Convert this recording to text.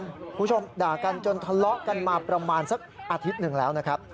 คุณผู้ชมด่ากันจนทะเลาะกันมาประมาณสักอาทิตย์หนึ่งแล้วนะครับ